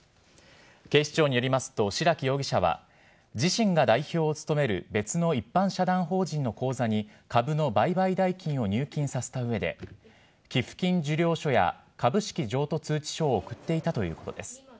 警視庁によりますと、白木容疑者は、自身が代表を務める別の一般社団法人の口座に、株の売買代金を入金させたうえで、寄付金受領書や株式譲渡通知書を送っていたということです。